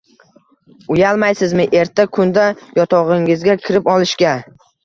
Uyalmaysizmi erta kunda yotogʻingizga kirib olishga?